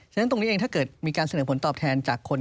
ฉะนั้นตรงนี้เองถ้าเกิดมีการเสนอผลตอบแทนจากคน